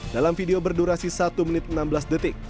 dalam video berdurasi satu menit enam belas detik